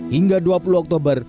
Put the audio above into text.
hingga dua puluh oktober